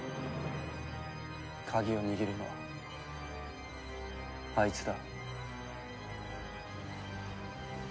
鍵を握るのはあいつだ。